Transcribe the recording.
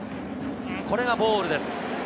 これはボールです。